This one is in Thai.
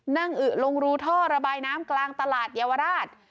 อึลงรูท่อระบายน้ำกลางตลาดเยาวราช